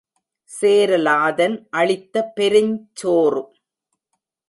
சேரலாதன் அளித்த பெருஞ்சோறு.